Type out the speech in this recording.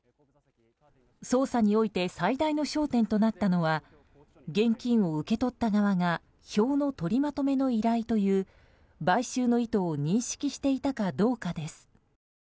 捜査において最大の焦点となったのは現金を受け取った側が票の取りまとめの依頼という買収の意図を認識していたかどうかです。